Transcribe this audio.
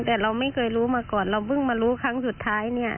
แต่เราไม่เคยรู้มาก่อนเราเพิ่งมารู้ครั้งสุดท้ายเนี่ย